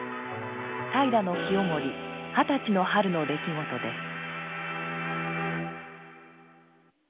平清盛二十歳の春の出来事です。